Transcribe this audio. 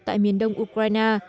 tại miền đông ukraine